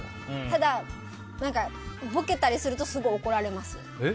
ただ、ボケたりするとすごい怒られます。